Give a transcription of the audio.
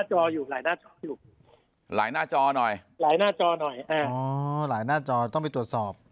หลายหน้าจออยู่หลายหน้าจอหน่อยอ๋อหลายหน้าจอต้องไปตรวจสอบ